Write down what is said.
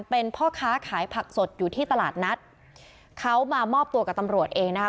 เป็นพ่อค้าขายผักสดอยู่ที่ตลาดนัดเขามามอบตัวกับตำรวจเองนะคะ